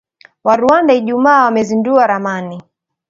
wa Rwanda Ijumaa wamezindua ramani